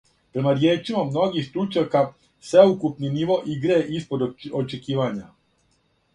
Према ријечима многих стручњака, свеукупни ниво игре је испод очекивања.